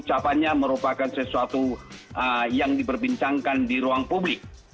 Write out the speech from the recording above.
ucapannya merupakan sesuatu yang diperbincangkan di ruang publik